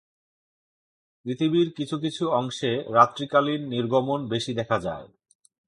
পৃথিবীর কিছু কিছু অংশে রাত্রিকালীন নির্গমন বেশি দেখা যায়।